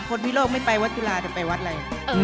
คนที่โลกไม่ไปวัดจุลาแต่ไปวัดอะไร